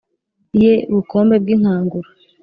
ye bukombe bw'inkangura